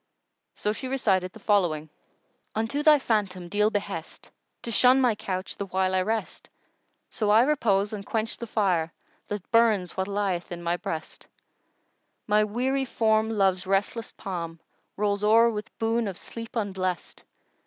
So she recited the following, "Unto thy phantom deal behest * To shun my couch the while I rest, So I repose and quench the fire * That burns what lieth in my breast, My weary form Love's restless palm * Rolls o'er with boon of sleep unblest.